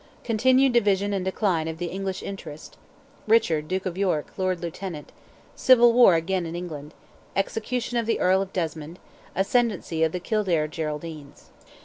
CONTINUED DIVISION AND DECLINE OF "THE ENGLISH INTEREST"—RICHARD, DUKE OF YORK, LORD LIEUTENANT—CIVIL WAR AGAIN IN ENGLAND—EXECUTION OF THE EARL OF DESMOND—ASCENDANCY OF THE KILDARE GERALDINES.